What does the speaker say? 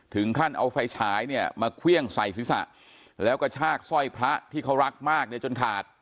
ถึงขั้นเอาไฟฉายเนี่ยมาเครื่องใส่ศีรษะแล้วก็ชากสร้อยพระที่เขารักมากเนี่ยจนขาด